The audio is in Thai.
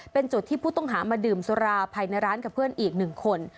เป็นจุดที่ผู้ต้องหามาดื่มสุราภายในร้านกับเพื่อนอีก๑คน